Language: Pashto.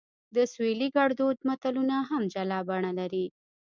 د سویلي ګړدود متلونه هم جلا بڼه لري